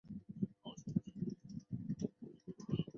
封装被视为是物件导向的四项原则之一。